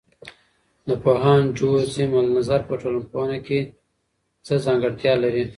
د پوهاند جورج زیمل نظر په ټولنپوهنه کې څه ځانګړتیا لري؟